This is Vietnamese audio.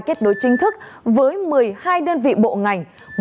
kết nối chính thức với một mươi hai đơn vị bộ ngành